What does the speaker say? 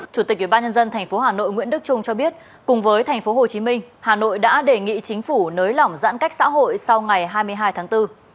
chủ tịch ubnd tp hà nội nguyễn đức trung cho biết cùng với tp hồ chí minh hà nội đã đề nghị chính phủ nới lỏng giãn cách xã hội sau ngày hai mươi hai tháng bốn